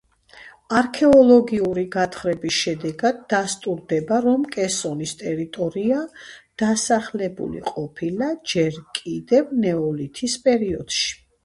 არქეოლოგიური გათხრების შედეგად დასტურდება, რომ კესონის ტერიტორია დასახლებული ყოფილა ჯერ კიდევ ნეოლითის პერიოდში.